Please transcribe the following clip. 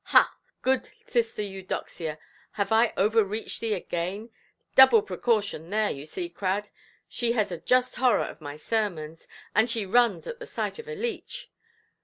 "Ha, good sister Eudoxia, have I overreached thee again? Double precaution there, you see, Crad. She has a just horror of my sermons, and she runs at the sight of a leech.